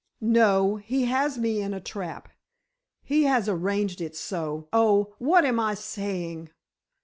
"No; he has me in a trap. He has arranged it so—oh, what am I saying!"